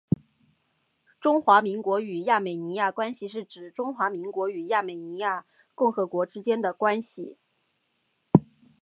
中华民国与亚美尼亚关系是指中华民国与亚美尼亚共和国之间的关系。